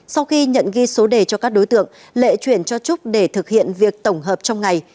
sau khi nhận ghi số đề cho các đối tượng lệ chuyển cho trúc để thực hiện việc tổng hợp trong ngày